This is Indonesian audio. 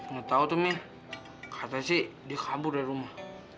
ngetau tuh mih katanya sih dia kabur dari rumah